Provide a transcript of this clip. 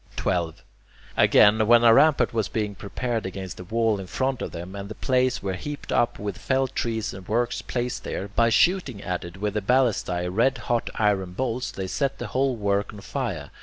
12. Again, when a rampart was being prepared against the wall in front of them, and the place was heaped up with felled trees and works placed there, by shooting at it with the ballistae red hot iron bolts they set the whole work on fire.